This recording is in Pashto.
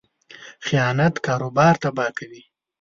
خیانت کاروبار تباه کوي.